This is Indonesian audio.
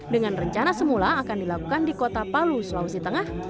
dengan rencana semula akan dilakukan di kota palu sulawesi tengah